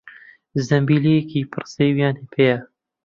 زەمبیلێکی پڕ سێویان پێیە.